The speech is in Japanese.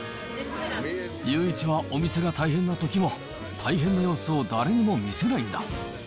祐一はお店が大変なときも、大変な様子を誰にも見せないんだ。